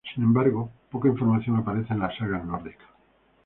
Sin embargo, poca información aparece en las sagas nórdicas.